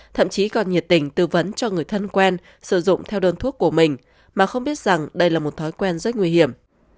thậm chí còn nhiệt tình tư vấn cho người thân quen sử dụng theo đơn thuốc của mình mà không biết rằng đây là một thói quen rất nguy hiểm